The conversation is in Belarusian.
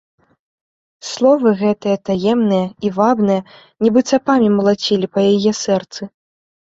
Словы гэтыя, таемныя і вабныя, нібы цапамі малацілі па яе сэрцы.